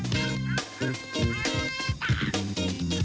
ข้าวใส่ไทย